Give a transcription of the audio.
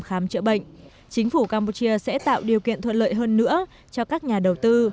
khám chữa bệnh chính phủ campuchia sẽ tạo điều kiện thuận lợi hơn nữa cho các nhà đầu tư